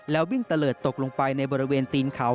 แล้ววิ่งตะเลิศตกลงไปในบริเวณตีนเขา